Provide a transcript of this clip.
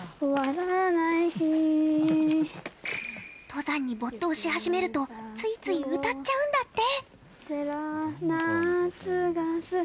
登山に没頭し始めるとついつい歌っちゃうんだって。